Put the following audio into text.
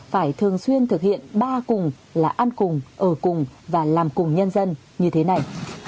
phải thường xuyên thực hiện ba cùng là ăn cùng ở cùng và làm cùng nhân dân như thế này